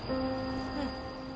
うん。